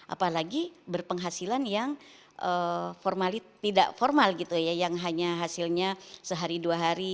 apalagi berpenghasilan yang tidak formal gitu ya yang hanya hasilnya sehari dua hari